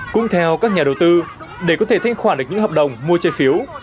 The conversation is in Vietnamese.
cũng theo các nhà đầu tư để có thể thanh khoản được những hợp đồng mua trái phiếu